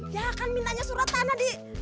dia akan mintanya surat tanah di